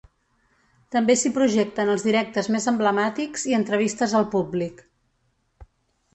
També s’hi projecten els directes més emblemàtics i entrevistes al públic.